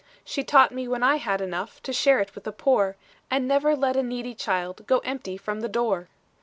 "'She taught me when I had enough, To share it with the poor; And never let a needy child, Go empty from the door.